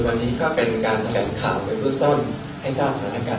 วันนี้ก็เป็นการแถลงข่าวไปเบื้องต้นให้ทราบสถานการณ์